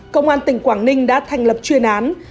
công an tỉnh quảng ninh đã thành lập chuyên án